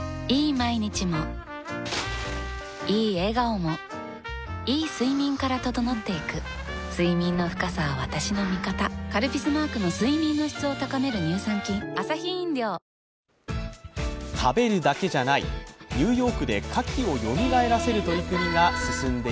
毎日もいい笑顔もいい睡眠から整っていく睡眠の深さは私の味方「カルピス」マークの睡眠の質を高める乳酸菌ワン・ツー・スリー！